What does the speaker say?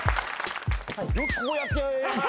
よくこうやって。